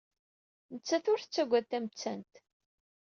Nettat ur tettagad tamettant.